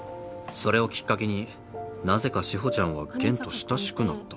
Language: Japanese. それをきっかけになぜか志保ちゃんは弦と親しくなった。